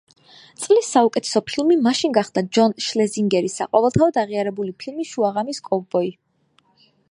წლის საუკეთესო ფილმი მაშინ გახდა ჯონ შლეზინგერის საყოველთაოდ აღიარებული ფილმი შუაღამის კოვბოი.